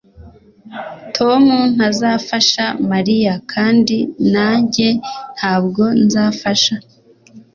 Tom ntazafasha Mariya kandi nanjye ntabwo nzafasha